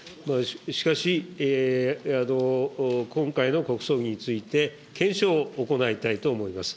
しかし、今回の国葬儀について、検証を行いたいと思います。